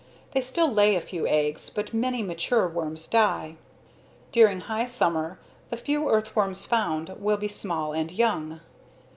They still lay a few eggs but many mature worms die. During high summer the few earthworms found will be small and young.